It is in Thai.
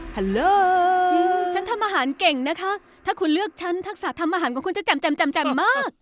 ทะเลฉันทำอาหารเก่งนะคะถ้าคุณเลือกฉันทักษะทำอาหารของคุณจะแจ่มมาก